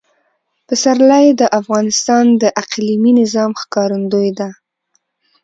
پسرلی د افغانستان د اقلیمي نظام ښکارندوی ده.